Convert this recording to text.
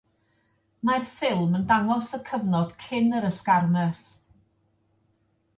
Mae'r ffilm yn dangos y cyfnod cyn yr ysgarmes.